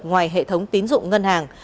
ngoài hệ thống tín dụng ngân hàng